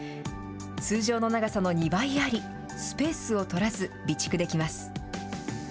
通常の長さの２倍あり、スペースを取らず、備蓄できます。